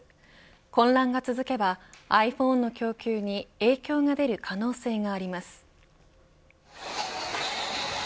混乱が続けばｉＰｈｏｎｅの供給に影響が出る可能性があります。